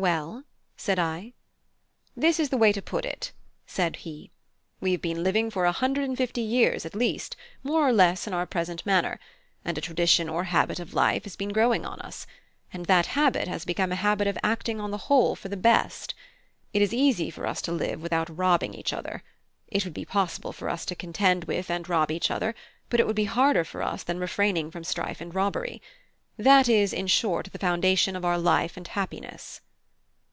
"Well?" said I. "This is the way to put it," said he: "We have been living for a hundred and fifty years, at least, more or less in our present manner, and a tradition or habit of life has been growing on us; and that habit has become a habit of acting on the whole for the best. It is easy for us to live without robbing each other. It would be possible for us to contend with and rob each other, but it would be harder for us than refraining from strife and robbery. That is in short the foundation of our life and our happiness."